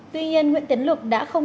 tuy nhiên nguyễn tiến lực đã không